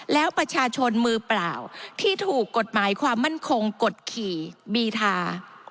แล้วประชาชนมือเปล่าที่ถูกกฎหมายความมั่นคงกฎขี่บีทา